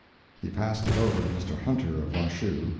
[He passed it over to Mr. Hunter, of Washoe.